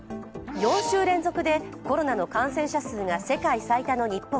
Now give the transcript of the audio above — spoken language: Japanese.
４週連続でコロナの感染者数が世界最多の日本。